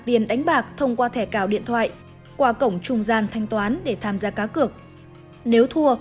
tiền đánh bạc thông qua thẻ cào điện thoại qua cổng trung gian thanh toán để tham gia cá cược nếu thua